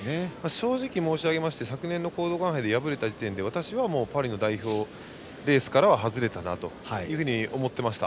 正直、申し上げまして昨年の講道館杯で敗れた時点で私はもうパリの代表レースからは外れたなと思っていました。